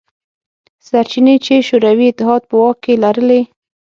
سرچینې چې شوروي اتحاد په واک کې لرلې.